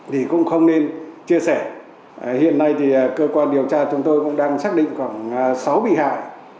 thì cũng không nên chia sẻ hiện nay thì cơ quan điều tra chúng tôi cũng đang xác định khoảng sáu bị hại